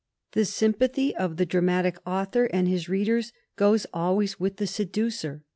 The sympathy of the dramatic author and his read ers goes always with the seducer.